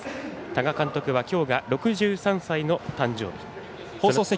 多賀監督は今日は６３歳の誕生日。